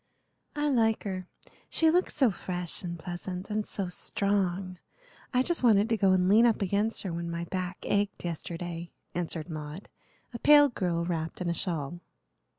"I like her, she looks so fresh and pleasant, and so strong. I just wanted to go and lean up against her, when my back ached yesterday," answered Maud, a pale girl wrapped in a shawl.